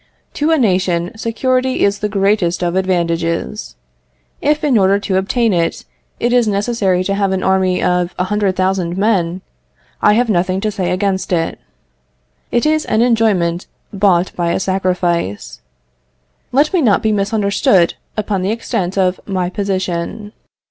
To a nation, security is the greatest of advantages. If, in order to obtain it, it is necessary to have an army of a hundred thousand men, I have nothing to say against it. It is an enjoyment bought by a sacrifice. Let me not be misunderstood upon the extent of my position.